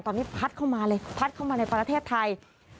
ตอนนี้พัดเข้ามาเลยพัดเข้ามาในประเทศไทย